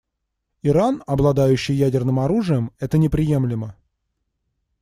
Иран, обладающий ядерным оружием, — это неприемлемо.